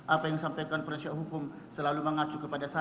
apa yang sampaikan perusahaan hukum selalu mengacu kepada sana